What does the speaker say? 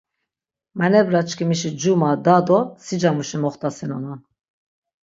Manebraçkimişi cuma, da do sicamuşi moxtasinonan.